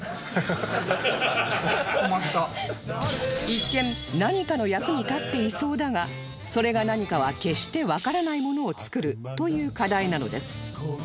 一見何かの役に立っていそうだがそれが何かは決してわからないものを作るという課題なのです